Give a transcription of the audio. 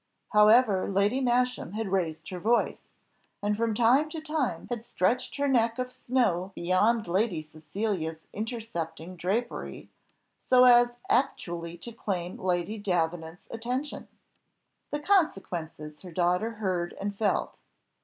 However, Lady Masham had raised her voice, and from time to time had stretched her neck of snow beyond Lady Cecilia's intercepting drapery, so as actually to claim Lady Davenant's attention. The consequences her daughter heard and felt.